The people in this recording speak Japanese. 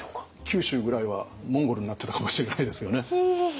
九州ぐらいはモンゴルになってたかもしれないですよね。